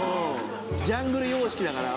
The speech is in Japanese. ジャングル様式だから。